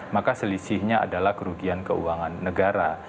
maka selisihnya adalah kerugian keuangan negara